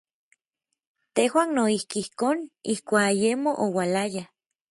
Tejuan noijki ijkon, ijkuak ayemo oualaya.